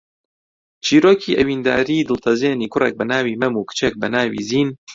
چیرۆکی ئەوینداریی دڵتەزێنی کوڕێک بە ناوی مەم و کچێک بە ناوی زین